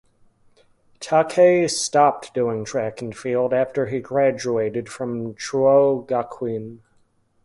Takei stopped doing track and field after he graduated from Chuo Gakuin.